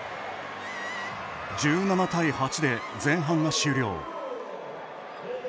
１７対８で前半が終了。